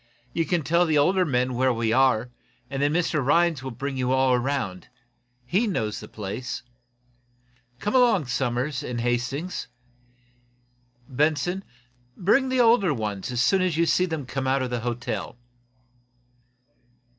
You can tell the older men where we are, and then Mr Rhinds will bring you all around. He knows the place. Come along, Somers and Hastings. Benson, bring the older ones as soon as you see them come out of the hotel."